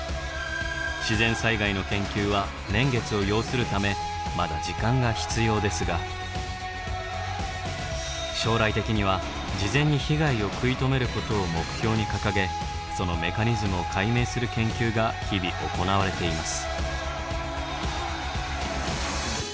自然災害の研究は年月を要するためまだ時間が必要ですが将来的には事前に被害を食い止めることを目標に掲げそのメカニズムを解明する研究が日々行われています。